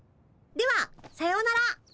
ではさようなら。